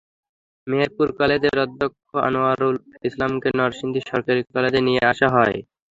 মেহেরপুর কলেজের অধ্যক্ষ আনোয়ারুল ইসলামকে নরসিংদী সরকারি কলেজে নিয়ে আসা হয়।